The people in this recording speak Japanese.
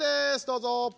どうぞ。